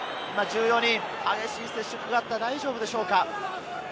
激しい接触があった、大丈夫でしょうか？